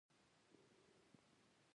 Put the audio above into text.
پنځۀ کسان لګيا دي پلستر لپاره پرانچ تړي